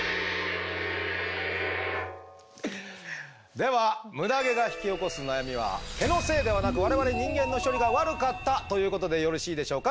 ではムダ毛が引き起こす悩みは毛のせいではなく我々人間の処理が悪かったということでよろしいでしょうか？